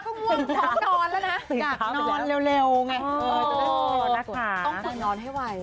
ต้องขนนนร์ให้ไว